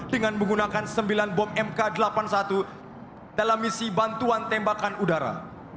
dengan menggunakan sembilan bom mk delapan puluh satu dalam misi bantuan tembakan udara